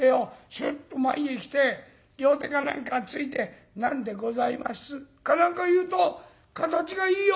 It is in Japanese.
スッと前へ来て両手か何かついて『何でございます？』か何か言うと形がいいよ！」。